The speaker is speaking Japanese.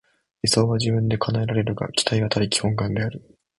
理想は自分で叶えられるが、期待は他力本願である。